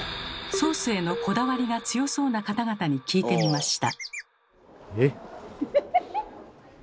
ソースへのこだわりが強そうな方々に聞いてみました。